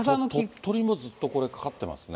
鳥取もずっとこれ、かかってますね。